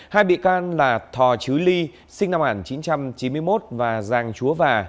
hai bị can là thò chứ ly sinh năm một nghìn chín trăm chín mươi một và giang chúa và